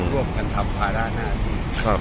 ร่วมกันทำภาระหน้าที่